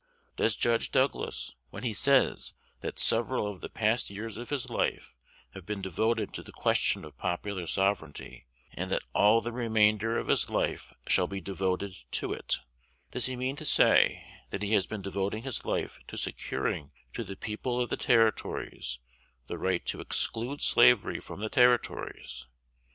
"Does Judge Douglas, when he says that several of the past years of his life have been devoted to the question of popular sovereignty, and that all the remainder of his life shall be devoted to it, does he mean to say, that he has been devoting his life to securing to the people of the Territories the right to exclude slavery from the Territories?